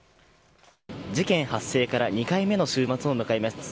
事件発生から２回目の週末を迎えます。